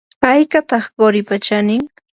¿haykataq quripa chanin?